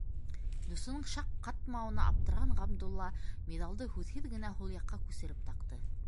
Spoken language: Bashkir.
Дуҫының шаҡ ҡатмауына аптыраған Ғабдулла миҙалды һүҙһеҙ генә һул яҡҡа күсереп таҡты.